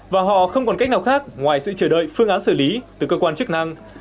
và họ không còn cách nào khác ngoài sự chờ đợi phương án xử lý từ cơ quan chức năng